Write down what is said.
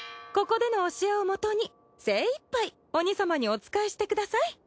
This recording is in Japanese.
ここでの教えを基に精いっぱい鬼様にお仕えしてください。